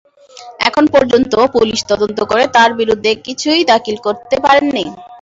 এখন পর্যন্ত পুলিশ তদন্ত করে তাঁর বিরুদ্ধে কিছুই দাখিল করতে পারেনি।